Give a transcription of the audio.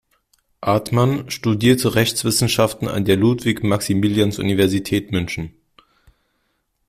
Artmann, studierte Rechtswissenschaften an der Ludwig-Maximilians-Universität München.